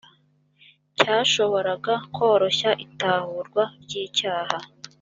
cyashoboraga koroshya itahurwa ry icyaha